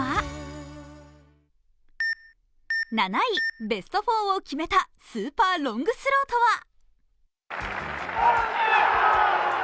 ７位、ベスト４を決めたスーパーロングスローとは？